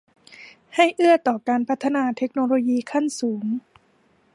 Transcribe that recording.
ให้เอื้อต่อการพัฒนาเทคโนโลยีขั้นสูง